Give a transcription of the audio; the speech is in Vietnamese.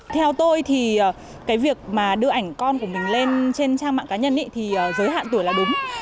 theo tôi thì cái việc mà đưa ảnh con của mình lên trên trang mạng cá nhân thì giới hạn tuổi là đúng